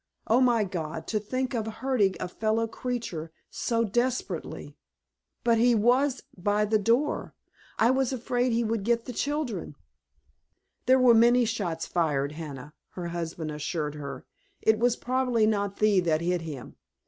Oh, my God, to think of hurting a fellow creature so desperately! But he was by the door—I was afraid he would get the children——" "There were many shots fired, Hannah," her husband assured her, "it was probably not thee that hit him.